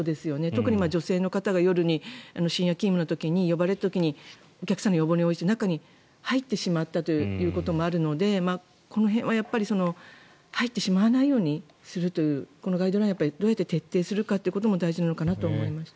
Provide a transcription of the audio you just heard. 特に女性の方が夜に、深夜勤務の時に呼ばれた時にお客さんの要望に応じて中に入ってしまったということもあるのでこの辺は入ってしまわないようにするというこのガイドラインをどう徹底するのかも大事なんだと思います。